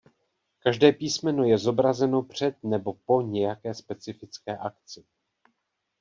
Každé písmeno je zobrazeno před nebo po nějaké specifické akci.